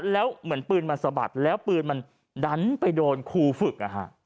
แล้วเหมือนปืนมันสะบัดแล้วปืนมันดันไปโดนครูฝึก